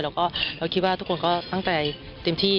แล้วก็เราคิดว่าทุกคนก็ตั้งแต่เต็มที่